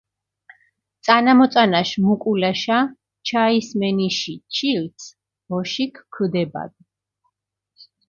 წანამოწანაშ მუკულაშა ჩაისმენიში ჩილცჷ ბოშიქ ქჷდებადჷ.